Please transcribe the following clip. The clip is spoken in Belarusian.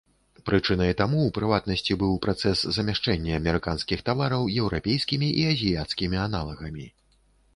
Прычынай таму, у прыватнасці, быў працэс замяшчэння амерыканскіх тавараў еўрапейскімі і азіяцкімі аналагамі.